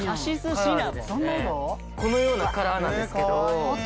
このようなカラーなんですけど。